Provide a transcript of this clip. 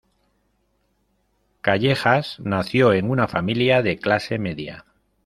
Callejas nació en una familia de clase media.